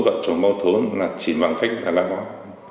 vợ chồng mau thốn là chỉ bằng cách là lá ngón